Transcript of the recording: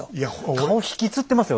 顔引きつってますよ